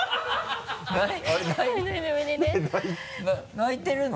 泣いてるの？